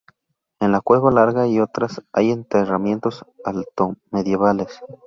En la cueva Larga y otras, hay enterramientos altomedievales.